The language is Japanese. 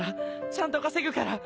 ちゃんと稼ぐから。